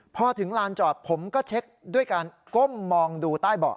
พอถึงลานจอดผมก็เช็คด้วยการก้มมองดูใต้เบาะ